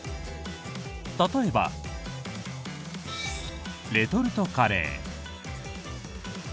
例えば、レトルトカレー。